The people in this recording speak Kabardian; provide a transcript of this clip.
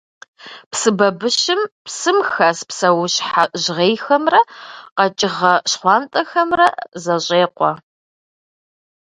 Псы бабыщым псым хэс псэущхьэ жьгъейхэмрэ къэкӏыгъэ щхъуантӏэхэмрэ зэщӏекъуэ.